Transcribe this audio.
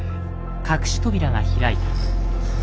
隠し扉が開いた。